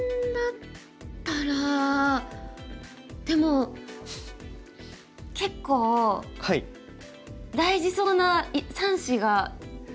でも結構大事そうな３子が。